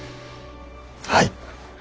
はい！